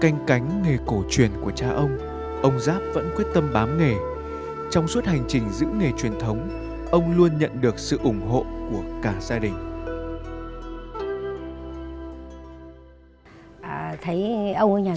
nhưng vì nghề dân dân cổ truyền này không mưu sinh trong cuộc sống này